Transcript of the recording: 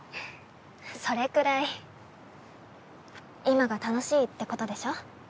それくらい今が楽しいってことでしょ。